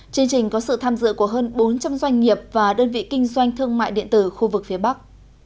chương trình có sự tham dự của hơn bốn trăm linh doanh nghiệp và đơn vị kinh doanh thương mại điện tử khu vực phía bắc